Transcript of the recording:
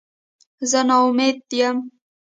زه نا امیده یم